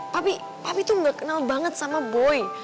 papi papi tuh gak kenal banget sama boy